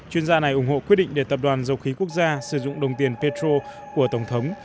chuyên gia này ủng hộ quyết định để tập đoàn dầu khí quốc gia sử dụng đồng tiền petro của tổng thống